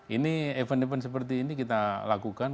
ini event event seperti ini kita lakukan